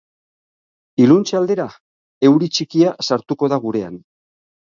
Iluntze aldera, euri txikia sartuko da gurean.